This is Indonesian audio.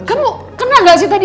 kamu kenal gak sih tadi